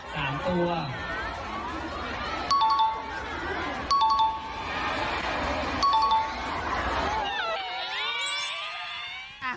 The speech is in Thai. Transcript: ๓ตัว